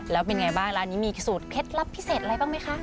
แล้วเป็นไงบ้างร้านนี้มีสูตรเคล็ดลับพิเศษอะไรบ้างไหมคะ